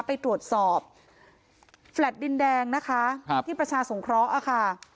ไปตรวจสอบแฟลตดินแดงนะคะที่ประชาสงคร้อค่ะ